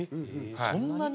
そんなに？